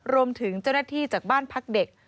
รวมถึงเจ้าหน้าที่จากบ้านพักเด็ก